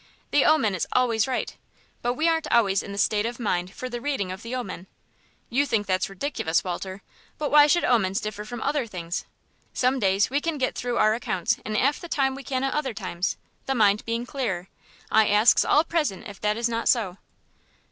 The omen is always right, but we aren't always in the state of mind for the reading of the omen. You think that ridiculous, Walter; but why should omens differ from other things? Some days we can get through our accounts in 'alf the time we can at other times, the mind being clearer. I asks all present if that is not so."